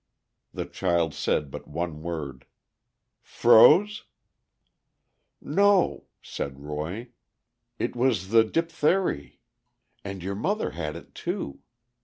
The child said but one word, "Froze?" "No," said Roy, "it was the dipthery. And your mother had it, too.